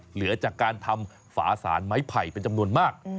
เหลือจากการทำฝาสารไม้ไผ่เป็นจำนวนมาก